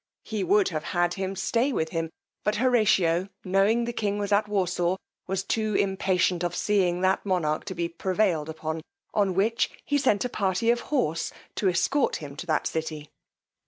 He would have had him stay with him; but Horatio, knowing the king was at Warsaw, was too impatient of seeing that monarch to be prevailed upon, on which he sent a party of horse to escort him to that city.